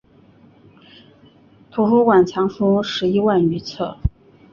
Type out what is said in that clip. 图书馆藏书十一万余册。